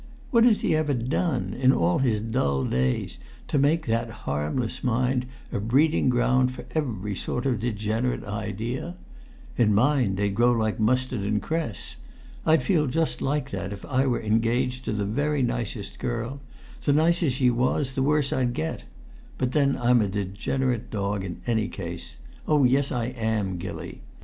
What has he ever done, in all his dull days, to make that harmless mind a breeding ground for every sort of degenerate idea? In mine they'd grow like mustard and cress. I'd feel just like that if I were engaged to the very nicest girl; the nicer she was, the worse I'd get; but then I'm a degenerate dog in any case. Oh, yes, I am, Gilly.